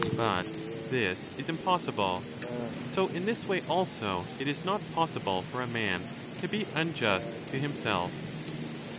But this is impossible. So in this way also it is not possible for a man to be unjust to himself.